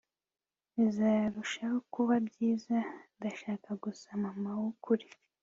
bizarushaho kuba byiza ndashaka gusa mama wukuri